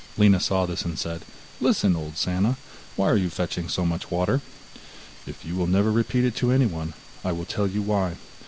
Lina saw this and said, 'Listen, old Sanna, why are you fetching so much water?' 'If you will never repeat it to anyone, I will tell you why.